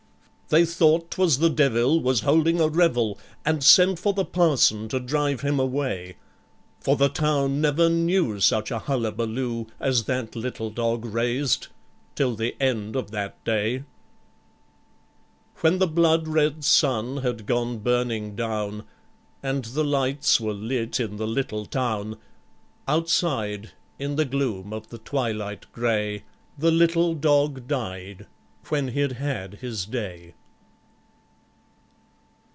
They thought 'twas the devil was holding a revel, And sent for the parson to drive him away; For the town never knew such a hullabaloo As that little dog raised till the end of that day. When the blood red sun had gone burning down, And the lights were lit in the little town, Outside, in the gloom of the twilight grey, The little dog died when he'd had his day.